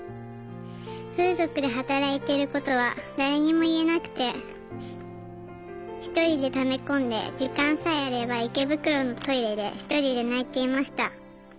風俗で働いてることは誰にも言えなくて１人でため込んで時間さえあれば池袋のトイレで１人で泣いていました。